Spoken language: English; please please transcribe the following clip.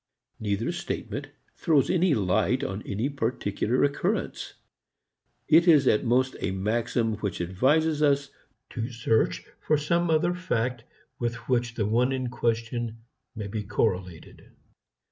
Neither statement throws any light on any particular occurrence. It is at most a maxim which advises us to search for some other fact with which the one in question may be correlated.